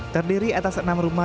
terdiri atas enam rumah